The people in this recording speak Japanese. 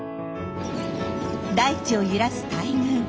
大地を揺らす大群。